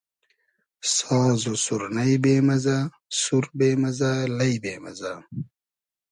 ساز و سورنݷ بې مئزۂ, سور بې مئزۂ ,لݷ بې مئزۂ